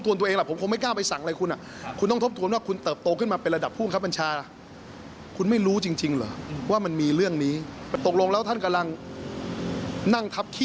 ทำไมต้องมาเป็นภาระประชาชนล่ะ